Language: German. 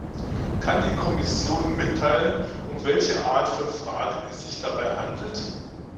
Kann die Kommission mitteilen, um welche Art von Fragen es sich dabei handelt?